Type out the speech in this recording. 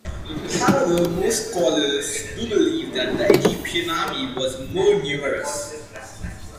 However most scholars do believe that the Egyptian army was more numerous.